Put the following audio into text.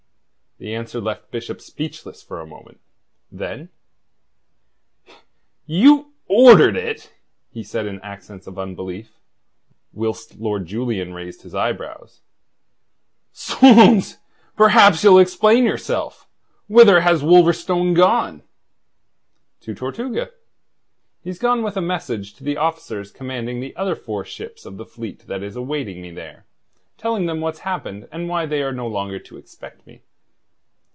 The answer left Bishop speechless for a moment. Then: "You ordered it?" he said in accents of unbelief, whilst Lord Julian raised his eyebrows. "'Swounds! Perhaps you'll explain yourself? Whither has Wolverstone gone?" "To Tortuga. He's gone with a message to the officers commanding the other four ships of the fleet that is awaiting me there, telling them what's happened and why they are no longer to expect me."